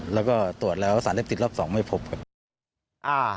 แล้วก็ตรวจแล้วสารเสพติดรอบ๒ไม่พบครับ